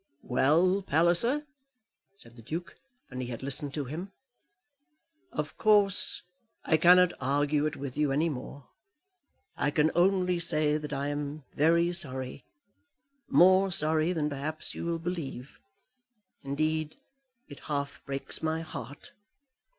"Well, Palliser," said the Duke, when he had listened to him, "of course I cannot argue it with you any more. I can only say that I am very sorry; more sorry than perhaps you will believe. Indeed, it half breaks my heart."